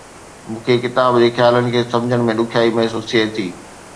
مون کي ڪتاب جي خيالن کي سمجهڻ ۾ ڏکيائي محسوس ٿئي ٿي